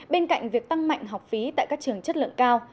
bên cạnh việc tăng mạnh học phí tại các trường chất lượng cao